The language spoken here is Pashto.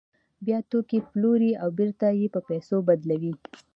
بیا توکي پلوري او بېرته یې په پیسو بدلوي